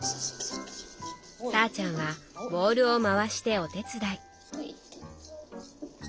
さぁちゃんはボウルを回してお手伝い。